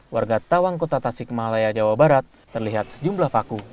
warga tawang kota tasikmalaya jawa barat terlihat sejumlah paku